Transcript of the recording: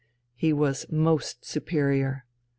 He was most superior.